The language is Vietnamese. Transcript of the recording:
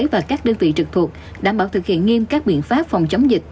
và các đơn vị trực thuộc đảm bảo thực hiện nghiêm các biện pháp phòng chống dịch